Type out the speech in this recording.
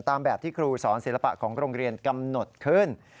ตามแบบที่ครูสอนศิลปะของโรงเรียนกำหนดขึ้น